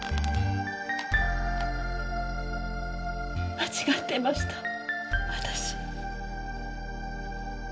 間違っていました私。